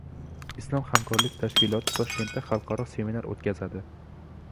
Islom hamkorlik tashkiloti Toshkentda xalqaro seminar o‘tkazadi